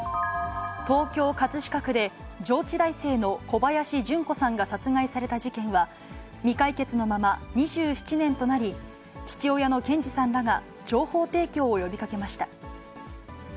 東京・葛飾区で上智大生の小林順子さんが殺害された事件は、未解決のまま２７年となり、父親の賢二さんらが情報提供を呼びかけました。